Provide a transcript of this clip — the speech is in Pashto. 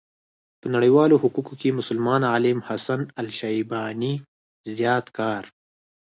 په نړيوالو حقوقو کې مسلمان عالم حسن الشيباني زيات کار